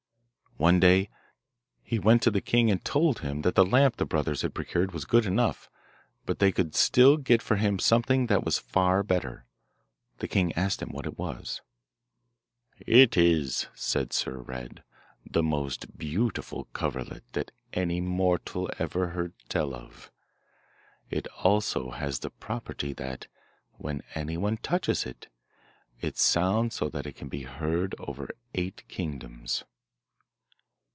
One day he went to the king and told him that the lamp the brothers had procured was good enough, but they could still get for him something that was far better. The king asked what that was. 'It is,' said Sir Red, 'the most beautiful coverlet that any mortal ever heard tell of. It also has the property that, when anyone touches it, it sounds so that it can be heard over eight kingdoms.